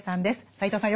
斎藤さん